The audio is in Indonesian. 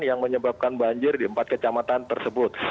yang menyebabkan banjir di empat kecamatan tersebut